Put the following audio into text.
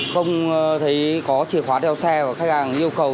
không thấy có chìa khóa đeo xe và khách hàng yêu cầu